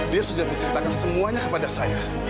dia sudah menceritakan semuanya kepada saya